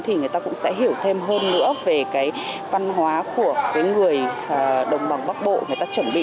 thì người ta cũng sẽ hiểu thêm hơn nữa về cái văn hóa của người dân trong khu phố cổ hà nội